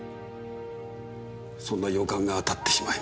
そんな予感が当たってしまいました。